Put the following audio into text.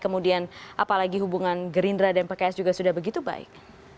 kemudian apalagi hubungan gerindra dan pks juga sudah begitu baik